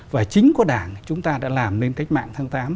và chính có đảng chúng ta đã làm nên cách mạng tháng tám